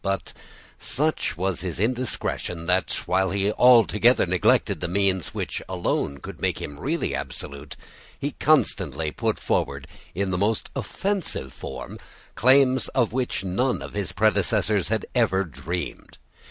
But such was his indiscretion that, while he altogether neglected the means which alone could make him really absolute, he constantly put forward, in the most offensive form, claims of which none of his predecessors had ever dreamed.